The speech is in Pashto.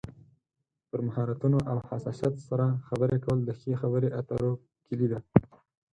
پر مهارتونو او حساسیت سره خبرې کول د ښې خبرې اترو کلي ده.